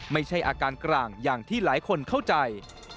ไม่ใช่อาการกลางอย่างที่หลายคนเข้าใจ